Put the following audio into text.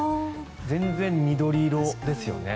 全然、緑色ですよね。